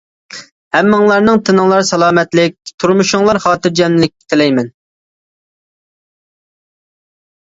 ھەممىڭلارنىڭ تىنىڭلار سالامەتلىك، تۇرمۇشۇڭلار خاتىرجەملىك تىلەيمەن.